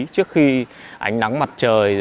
trước khi ánh nắng mặt trời